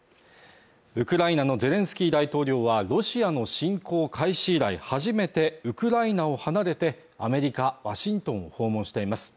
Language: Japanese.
ウクライナのゼレンスキー大統領はロシアの侵攻開始以来初めてウクライナを離れアメリカワシントンを訪問しています